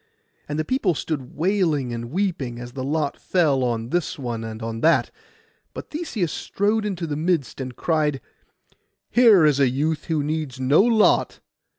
And the people stood wailing and weeping, as the lot fell on this one and on that; but Theseus strode into the midst, and cried—'Here is a youth who needs no lot.